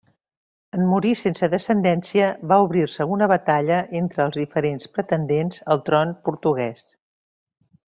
En morir sense descendència, va obrir-se una batalla entre els diferents pretendents al tron portuguès.